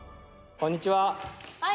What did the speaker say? こんにちは！